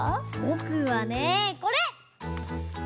ぼくはねこれ！